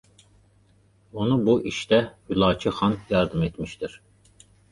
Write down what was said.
Ona bu işdə Hülakü xan yardım etmişdir.